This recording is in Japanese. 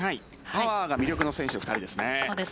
パワーが魅力の選手２人ですね。